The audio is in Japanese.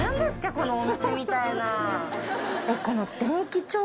このお店みたいな。